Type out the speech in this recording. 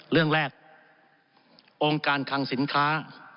เรื่องแรกองค์การคังสินค้า